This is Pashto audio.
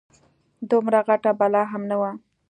دومره غټه بلا هم نه وه.